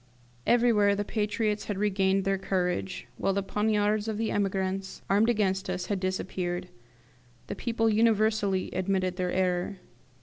Everywhere the patriots had regained their courage, while the poniards of the emigrants, armed against us, had disappeared. The people universally admitted their error.